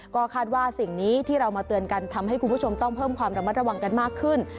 ก็คาดว่าสิ่งนี้ที่เรามาเตือนกันทำให้คุณผู้ชมต้องเพิ่มความระมัดระวังกันมากขึ้น